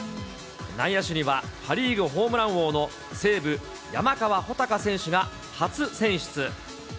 内野手には、パ・リーグホームラン王の西武、山川穂高選手が初選出。